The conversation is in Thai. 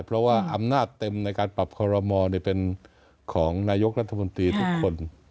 เพราะว่าอำนาจเต็มในการปรับคอรมอลเป็นของนายกรัฐมนตรีทุกคน